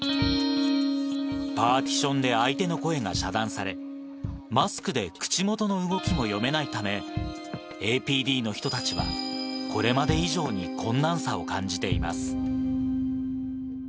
パーティションで相手の声が遮断され、マスクで口元の動きも読めないため、ＡＰＤの人たちは、これまで以上に困難さを感じています。